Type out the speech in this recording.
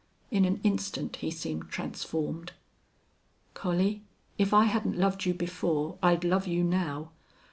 In an instant he seemed transformed. "Collie, if I hadn't loved you before I'd love you now.